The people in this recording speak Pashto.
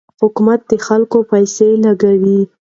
حکومت د خلکو پیسې لګوي.